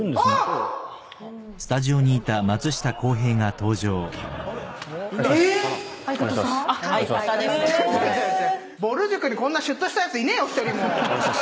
ぼる塾にこんなシュッとしたやついねえよ！